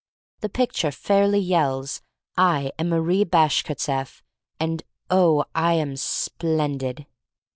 The picture fairly yells: "I am Marie Bashkirtseff — and, oh, I am splendid!"